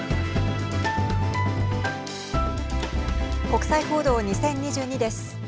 国際報道２０２２です。